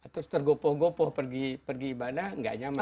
terus tergopoh gopoh pergi ibadah nggak nyaman